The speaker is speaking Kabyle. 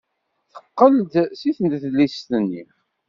Teqqel-d seg tnedlist-nni.